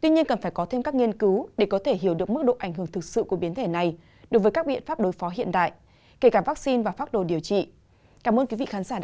kính chào thân thiện và hẹn gặp lại